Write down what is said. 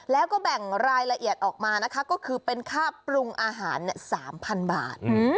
แล้วก็แบ่งรายละเอียดออกมานะคะก็คือเป็นค่าปรุงอาหาร๓๐๐๐บาท